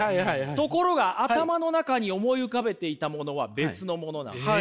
ところが頭の中に思い浮かべていたものは別のものなんです。